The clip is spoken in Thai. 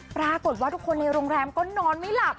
ปรากฏว่าทุกคนในโรงแรมก็นอนไม่หลับ